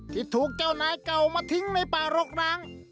ที่ถูกเจ้านายเก่ามาทิ้งในป่ารกร้าง